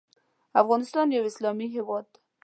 افغانستان یو اسلامی هیواد دی .